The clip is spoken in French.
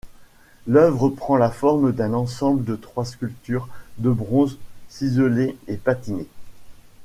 L'œuvre prend la forme d'un ensemble de trois sculpture de bronze ciselé et patiné.